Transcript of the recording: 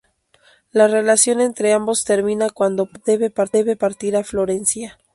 La relación entre ambos termina cuando Pánfilo debe partir a Florencia.